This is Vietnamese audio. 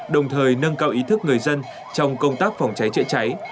đồng thời nâng cao ý thức người dân trong công tác phòng cháy chữa cháy